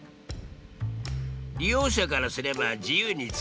利用者からすれば自由に使えず。